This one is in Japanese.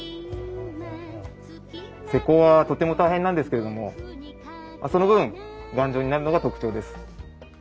施工はとても大変なんですけれどもその分頑丈になるのが特徴です。